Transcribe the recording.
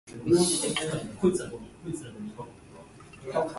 電車